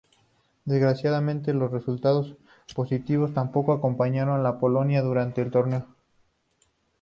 Desgraciadamente los resultados positivos tampoco acompañaron a Polonia durante el torneo.